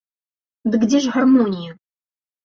Дык дзе ж гармонія?